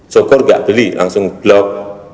sokor nggak beli langsung blok